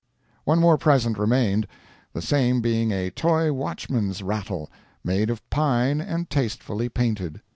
One more present remained—the same being a toy watchman's rattle, made of pine and tastefully painted.